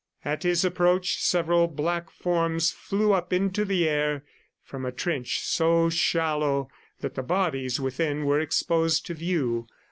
At his approach several black forms flew up into the air from a trench so shallow that the bodies within were exposed to view.